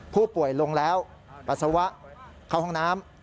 ผู้ป่วยลงแล้วปัสสาวะเข้าห้องน้ำ